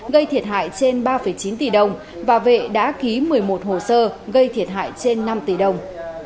gây thiệt hại trên ba chín tỷ đồng và vệ đã ký một mươi một hồ sơ gây thiệt hại trên năm tỷ đồng